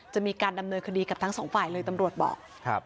จะมีการดำเนินคดีกับทั้งสองฝ่ายเลยตำรวจบอก